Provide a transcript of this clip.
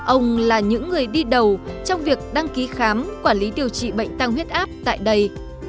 ông là những người đi đầu trong việc đăng ký khám quản lý điều trị bệnh tăng huyết áp tại đây